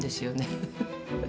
ウフフフ。